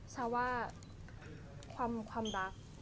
ชาวว่าความรัก